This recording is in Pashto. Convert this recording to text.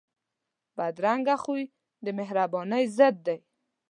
بدرنګه خوی د مهربانۍ ضد دی